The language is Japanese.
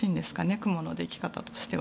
雲のでき方としては。